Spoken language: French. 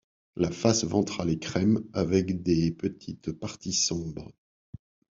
La face ventrale est crème, avec des petites parties sombres.